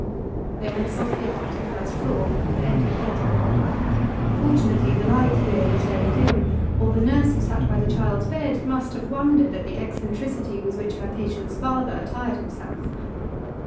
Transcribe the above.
They went softly up to the first floor, and entered a bedroom. Fortunately the light here was very dim, or the nurse who sat by the child's bed must have wondered at the eccentricity with which her patient's father attired himself.